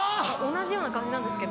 同じような感じなんですけど。